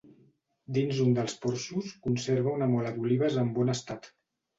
Dins un dels porxos conserva una mola d'olives en bon estat.